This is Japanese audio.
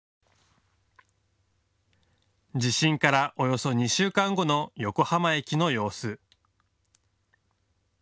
地震からおよそ２週間後の横浜駅の様子。